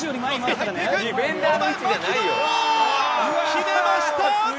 決めました！